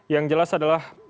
yang jelas adalah